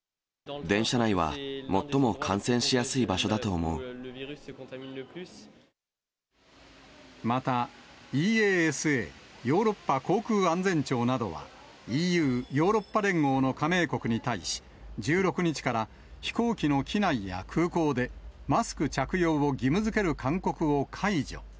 電車内は最も感染しやすい場所だまた、ＥＡＳＡ・ヨーロッパ航空安全庁などは、ＥＵ・ヨーロッパ連合の加盟国に対し、１６日から飛行機の機内や空港で、マスク着用を義務づける勧告を解除。